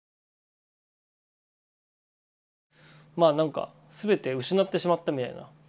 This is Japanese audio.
まあなんか全て失ってしまったみたいな。